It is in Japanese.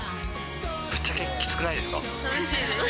ぶっちゃけきつくないですか？